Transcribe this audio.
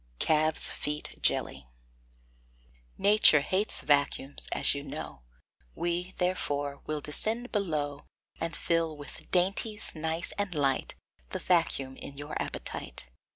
CALVES' FEET JELLY. Nature hates vacuums, as you know, We, therefore, will descend below, And fill, with dainties nice and light, The vacuum in your appetite.